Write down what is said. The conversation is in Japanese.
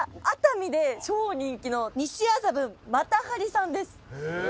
熱海で超人気の西麻布またはりさんです。